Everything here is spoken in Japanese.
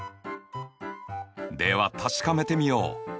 では確かめてみよう。